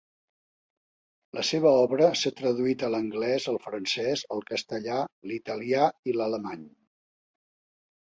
La seva obra s'ha traduït a l'anglès, el francès, el castellà, l'italià i l'alemany.